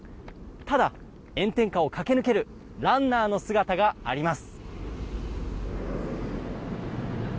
ただ、炎天下を駆け抜けるランナーの姿があります。